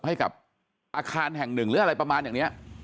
ให้กับอาคารแห่งหนึ่งหรืออะไรประมาณอย่างนี้